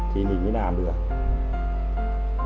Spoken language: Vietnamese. thì mình mới làm được